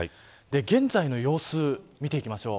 現在の様子を見ていきましょう。